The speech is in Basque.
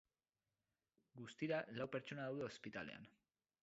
Guztira, lau pertsona daude ospitalean.